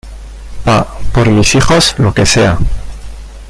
Pa ¡Por mis hijos lo que sea!